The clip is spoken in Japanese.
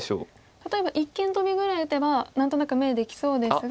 例えば一間トビぐらい打てば何となく眼できそうですが。